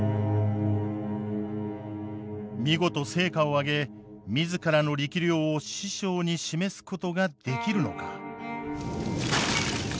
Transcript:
見事成果を上げ自らの力量を師匠に示すことができるのか。